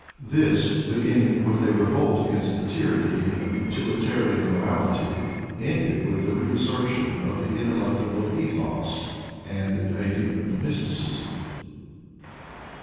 This, beginning with a revolt against the tyranny of utilitarian morality, ended with the reassertion of the ineluctable ethos and a deepened mysticism.